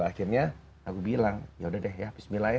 akhirnya aku bilang yaudah deh ya bismillah